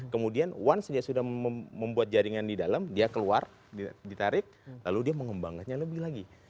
kemudian once dia sudah membuat jaringan di dalam dia keluar ditarik lalu dia mengembangkannya lebih lagi